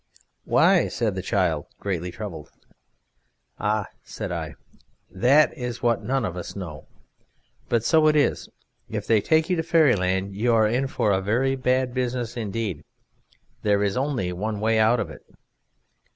"Why?" said the child, greatly troubled. "Ah!" said I, "that is what none of us know, but so it is, if they take you to Fairyland you are in for a very bad business indeed. There is only one way out of it."